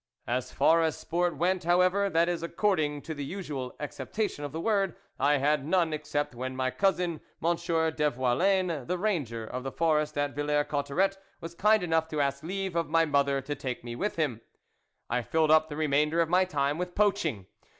As far as sport went, however, that is according to the usual acceptation of the word, I had none, except when my cousin, M. Deviolaine, the ranger of the forest at Villers Cotterets, was kind enough to ask leave of my mother to take me with him. I filled up the remainder of my time with poaching.